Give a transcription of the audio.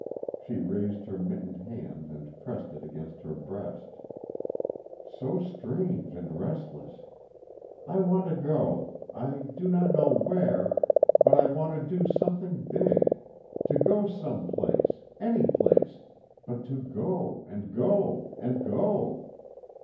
she raised her mittened hand and pressed it against her breast, "So strange and restless. I want to go I do not know where but, I want to do something big to go some place any place, but to go, and go, and go!"